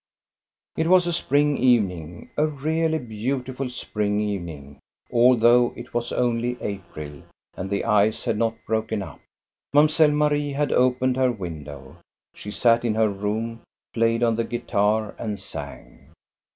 It was a spring evening, a really beautiful spring 'ening, although it was only April and the ice had not broken up. Mamselle Marie had opened her window. She sat in her room, played on the guitar, and sang.